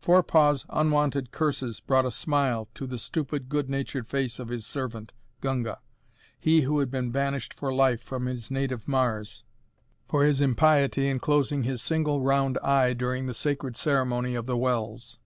Forepaugh's unwonted curses brought a smile to the stupid, good natured face of his servant, Gunga he who had been banished for life from his native Mars for his impiety in closing his single round eye during the sacred Ceremony of the Wells.